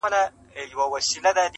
o خېشکي، چي ډوډۍ خوري دروازې پېش کي.